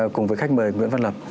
cùng với khách mời nguyễn văn lập